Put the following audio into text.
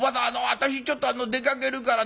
私ちょっと出かけるからね」。